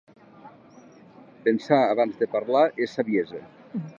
Pensar abans de parlar és saviesa.